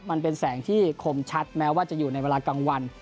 มันเป็นแสงที่คมชัดแม้ว่าจะอยู่ในเวลากลางวัน